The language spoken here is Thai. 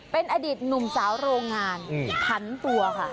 เป็นอดีตหนุ่มสาวโรงงานผันตัวค่ะ